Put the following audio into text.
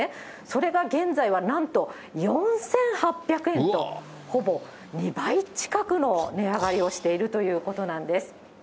それが現在はなんと４８００円と、ほぼ２倍近くの値上がりをしているということなんです。